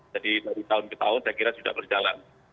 jadi dari tahun ke tahun saya kira sudah berjalan